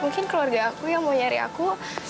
mungkin keluarga aku yang mau nyari aku